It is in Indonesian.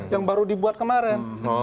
yang baru dibuat kemarin